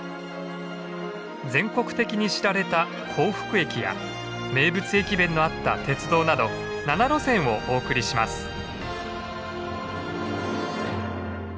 全国的に知られた幸福駅や名物駅弁のあった鉄道など７路線をお送りします。